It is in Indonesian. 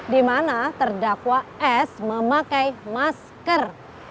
di mana terdakwa s memakai masker